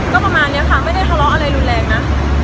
ก็ประมาณนี้ค่ะไม่ได้ทะเลาะอะไรรุนแรงนะ